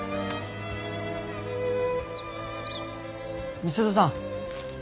美鈴さん。